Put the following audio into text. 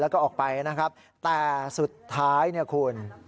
แล้วก็ออกไปนะครับแต่สุดท้ายเนี่ยคุณ